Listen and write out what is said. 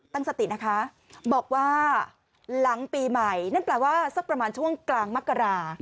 ตั้งสตินะคะบอกว่าหลังปีใหม่นั่นแปลว่าสักประมาณช่วงกลางมกรา